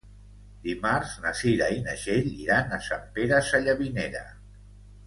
Dimarts na Cira i na Txell iran a Sant Pere Sallavinera.